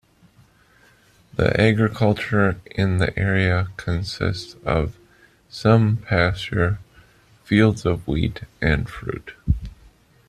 The agriculture in the area consists of some pasture, fields of wheat and fruit.